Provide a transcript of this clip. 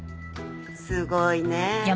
すごいねぇ。